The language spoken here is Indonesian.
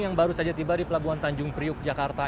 yang baru saja tiba di pelabuhan tanjung priuk jakarta